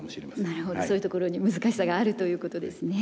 なるほどそういうところに難しさがあるということですね。